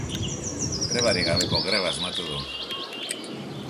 Grebarik gabeko greba asmatu du!.